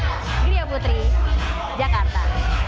griha putri jakarta